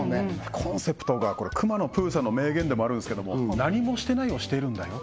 コンセプトがこれくまのプーさんの名言でもあるんですけども「何もしてないをしているんだよ」